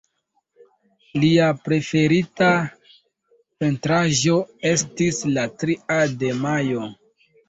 Lia preferita pentraĵo estis La tria de majo.